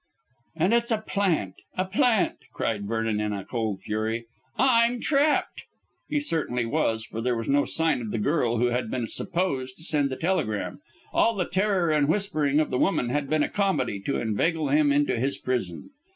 "And it's a plant; a plant," cried Vernon in a cold fury. "I'm trapped." He certainly was, for there was no sign of the girl who had been supposed to send the telegram. All the terror and whispering of the woman had been a comedy to inveigle him into his prison.